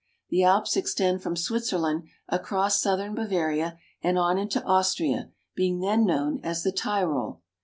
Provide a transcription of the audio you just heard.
The Alps extend from Switzerland across southern Bavaria and on into Austria, being then known as the Tyrol.